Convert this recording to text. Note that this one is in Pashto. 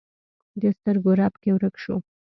د سترګو رپ کې ورک شو